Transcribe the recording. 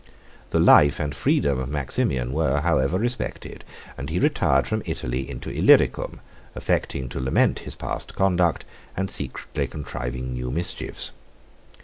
32 The life and freedom of Maximian were, however, respected, and he retired from Italy into Illyricum, affecting to lament his past conduct, and secretly contriving new mischiefs.